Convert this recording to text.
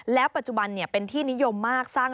แล้วปัจจุบันเป็นที่นิยมมาก